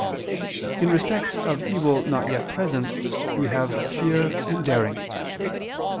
_ In respect of evil not yet present we have fear and _daring.